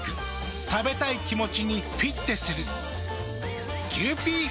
食べたい気持ちにフィッテする。